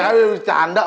ya ini berbicara mak